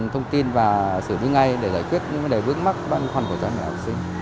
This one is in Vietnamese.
thông tin và xử lý ngay để giải quyết những vấn đề vướng mắt băn khoăn của cha mẹ học sinh